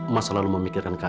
mas selalu memikirkan kami